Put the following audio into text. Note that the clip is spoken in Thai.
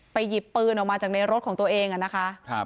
หยิบปืนออกมาจากในรถของตัวเองนะคะ